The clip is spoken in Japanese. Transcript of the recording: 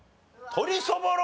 鶏そぼろ